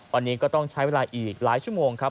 วันนี้ก็ต้องใช้เวลาอีกหลายชั่วโมงครับ